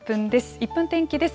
１分天気です。